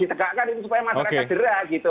ditegakkan supaya masyarakat gerak